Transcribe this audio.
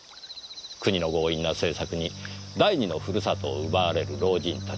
国の強引な政策に第二のふるさとを奪われる老人達。